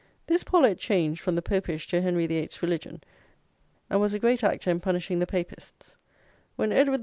This Paulet changed from the Popish to Henry the Eighth's religion, and was a great actor in punishing the papists; when Edward VI.